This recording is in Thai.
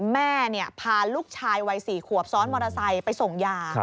แม่พาลูกชายวัย๔ขวบซ้อนมอเตอร์ไซค์ไปส่งยา